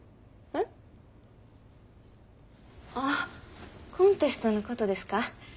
えっ？ああコンテストのことですか？